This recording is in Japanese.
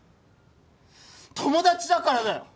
友達だからだよ！